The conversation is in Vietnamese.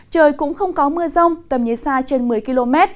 trời cũng không có mưa rông tầm nhìn xa trên một mươi km